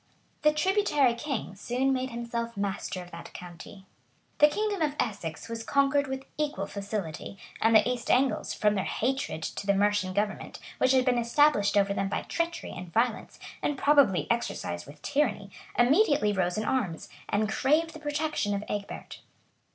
The tributary king, soon made himself master of that county. [* Chron. Sax. p. 69.] [ Ethelwerd, lib iii. cap. 2.] The kingdom of Essex was conquered with equal facility; and the East Angles, from their hatred to the Mercian gov ernment, which had been established over them by treachery and violence, and probably exercised with tyranny, immediately rose in arms, and craved the protection of Egbert.